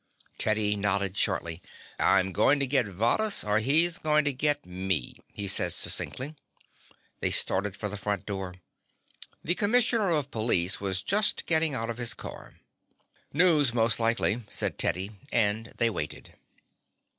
Teddy nodded shortly. "I'm going to get Varrhus or he's going to get me," he said succinctly. They started for the front door. The commissioner of police was just getting out of his car. "News, most likely," said Teddy, and they waited.